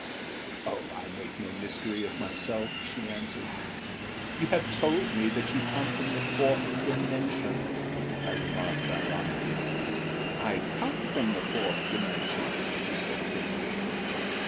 "Oh, I make no mystery of myself," she answered. "You have told me that you come from the Fourth Dimension," I remarked, ironically. "I come from the Fourth Dimension," she said, patiently.